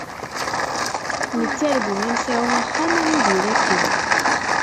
Nettargu ad nesɛu axxam ad nidir akken.